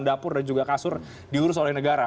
dapur dan juga kasur diurus oleh negara